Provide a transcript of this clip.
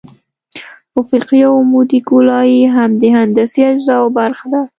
افقي او عمودي ګولایي هم د هندسي اجزاوو برخه ده